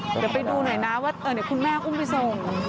เดี๋ยวไปดูหน่อยนะว่าเดี๋ยวคุณแม่อุ้มไปส่ง